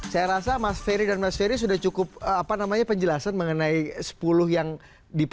saya rasa mas ferry dan mas ferry sudah cukup penjelasan mengenai sepuluh yang dipilih